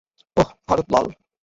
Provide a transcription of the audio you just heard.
ওহ, Bharat লাল।